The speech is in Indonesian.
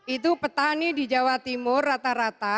itu petani di jawa timur rata rata